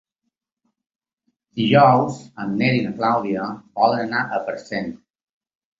Dijous en Nel i na Clàudia volen anar a Parcent.